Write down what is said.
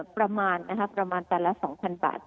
ประมาณเท่าไหร่ละ๒๐๐๐บาท